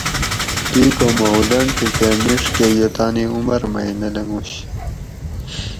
کیکوں مہوڈنڈ تھی کہ میڛ کہ یہ تانی عمر مئ نہ لنگوش